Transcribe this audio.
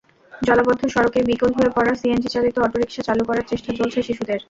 জলাবদ্ধ সড়কে বিকল হয়ে পড়া সিএনজিচালিত অটোরিকশা চালু করার চেষ্টা চলছে শিশুদের।